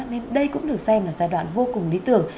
nên đây cũng được xem là giai đoạn vô cùng lý tưởng